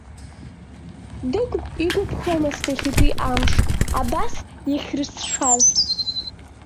Дыгә игәаԥхомызт иахьатәи амш абас иахьрызшаз.